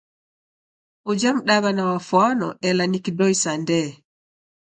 Uja mdaw'ana wafwano ela ni kidoi sa ndee.